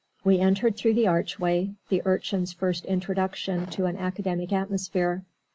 We entered through the archway the Urchin's first introduction to an academic atmosphere.